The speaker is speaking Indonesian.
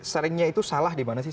seringnya itu salah di mana sih